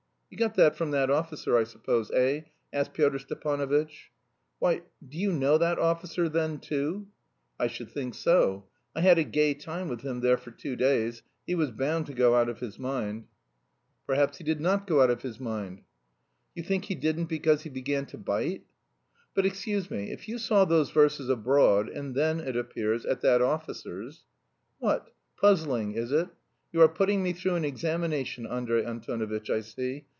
"You got it from that officer, I suppose, eh?" asked Pyotr Stepanovitch. "Why, do you know that officer, then, too?" "I should think so. I had a gay time with him there for two days; he was bound to go out of his mind." "Perhaps he did not go out of his mind." "You think he didn't because he began to bite?" "But, excuse me, if you saw those verses abroad and then, it appears, at that officer's..." "What, puzzling, is it? You are putting me through an examination, Andrey Antonovitch, I see.